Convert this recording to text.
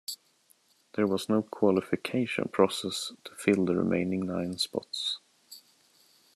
There was no qualification process to fill the remaining nine spots.